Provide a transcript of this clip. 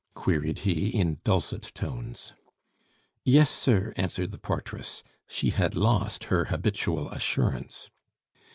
queried he, in dulcet tones. "Yes, sir," answered the portress. She had lost her habitual assurance.